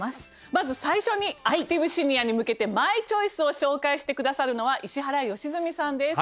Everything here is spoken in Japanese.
まず最初にアクティブシニアに向けてマイチョイスを紹介してくださるのは石原良純さんです。